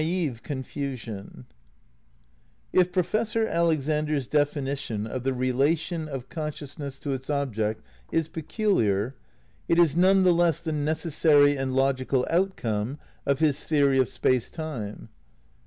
ii If Professor Alexander's definition of the relation of consciousness to its object is peculiar, it is none the less me the necessary and logical outcome of his theory of co^m. Space Time.